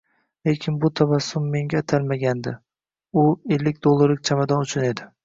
Lekin bu tabassum menga atalmagandi. U ellik dollarlik chamadon uchun edi.